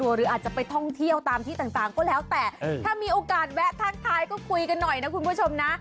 หรืออาจจะไปท่องเที่ยวตามที่ต่างก็แล้วแต่ถ้ามีโอกาสแวะทักทายก็คุยกันหน่อยนะคุณผู้ชมนะ